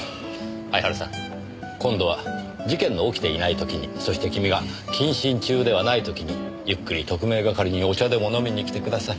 相原さん今度は事件の起きていない時にそして君が謹慎中ではない時にゆっくり特命係にお茶でも飲みに来てください。